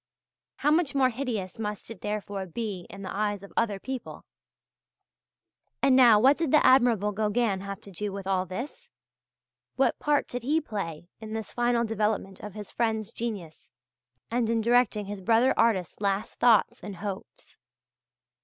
How much more hideous must it therefore be in the eyes of other people" (page 69). And now what did the admirable Gauguin have to do with all this? What part did he play in this final development of his friend's genius and in directing his brother artist's last thoughts and hopes?